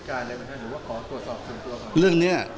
หรือว่าขอตรวจสอบสินตัวครับ